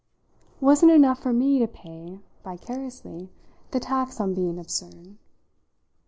Wasn't it enough for me to pay, vicariously, the tax on being absurd?